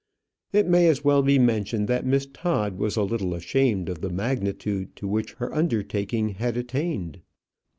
It may as well be mentioned that Miss Todd was a little ashamed of the magnitude to which her undertaking had attained.